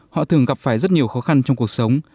họ thường gặp phải rất nhiều khó khăn trong cuộc sống